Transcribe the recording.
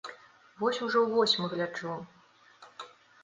Вось ужо восьмы гляджу.